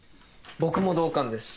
僕も同感です。